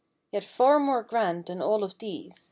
Yet far more grand than all of these.